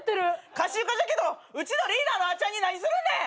かしゆかじゃけどうちのリーダーのあちゃんに何するんね？